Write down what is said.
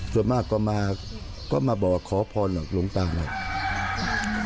ส่วนมากก็มาก็มาบอกว่าขอพรหลวงตาหน่อยอ๋อ